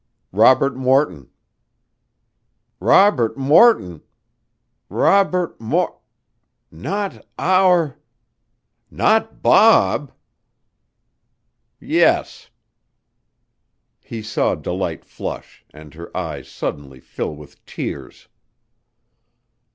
"Robert Morton." "Robert Morton! Robert Mor not our not Bob!" "Yes." He saw Delight flush, and her eyes suddenly fill with tears.